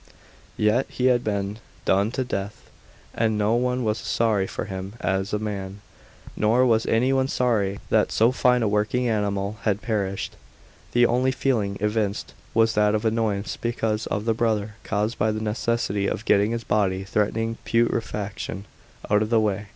Yet he had been done to death, and no one was sorry for him as a man, nor was any one sorry that so fine a working animal had perished. The only feeling evinced was that of annoyance because of the bother caused by the necessity of getting this body, threatening putrefaction, out of the way.